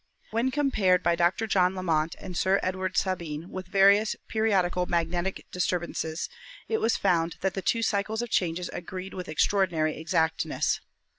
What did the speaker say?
When compared by Dr. John Lamont and Sir Edward Sabine with various periodical magnetic disturbances, it was found that the two cycles of changes agreed with ex traordinary exactness.